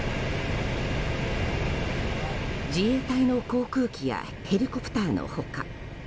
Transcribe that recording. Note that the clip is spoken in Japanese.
自衛隊の航空機やヘリコプターの他